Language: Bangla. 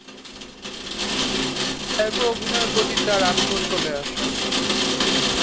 এর পর অভিনয়ের প্রতি তার আগ্রহ চলে আসে।